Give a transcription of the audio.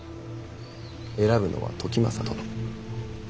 選ぶのは時政殿。